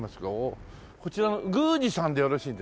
こちらの宮司さんでよろしいですか？